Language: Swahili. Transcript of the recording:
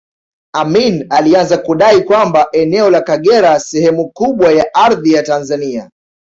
Amin alianza kudai kwamba eneo la Kagera sehemu kubwa ya ardhi ya Tanzania